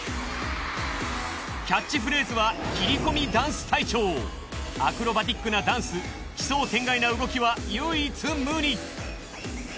キャッチフレーズはアクロバティックなダンス奇想天外な動きは唯一無二。